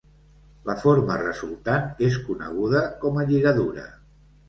La forma resultant és coneguda com a lligadura.